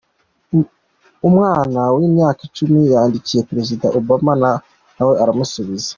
Umwana w’imyaka Icumi yandikiye Perezida Obama na we aramusubiza